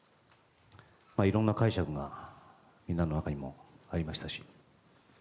いろんな解釈がみんなの中にもありました。